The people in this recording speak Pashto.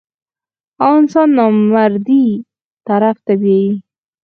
او انسان نامردۍ طرف ته بيائي -